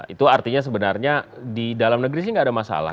itu artinya sebenarnya di dalam negeri sih nggak ada masalah